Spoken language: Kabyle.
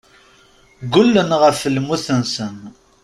Ggullen ɣef lmut-nsen.